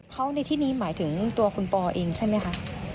เขาในที่นี้หมายถึงตัวคุณปอเองใช่ไหมคะ